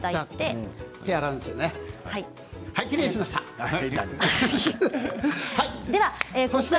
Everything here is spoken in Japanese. きれいにしました。